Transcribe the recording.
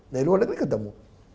nah di luar negeri ketemu